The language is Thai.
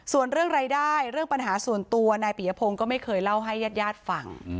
ส่วนเรื่องรายได้เรื่องปัญหาส่วนตัวนายปียพงศ์ก็ไม่เคยเล่าให้ญาติญาติฟัง